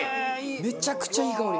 めちゃくちゃいい香り。